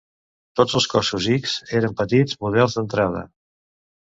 Tots els cossos X eren petits models d'entrada.